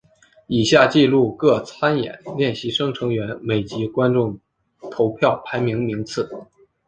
以下记录各参演练习生成员每集观众投票排名名次。